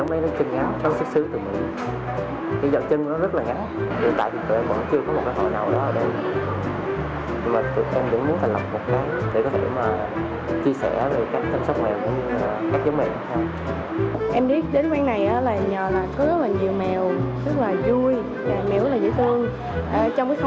nhìn nó rất là lạ với lại nó rất là nhanh nhẹ